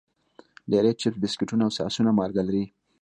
ډېری چپس، بسکټونه او ساسونه مالګه لري.